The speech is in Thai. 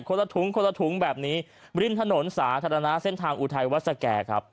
ละถุงคนละถุงแบบนี้ริมถนนสาธารณะเส้นทางอุทัยวัดสแก่ครับ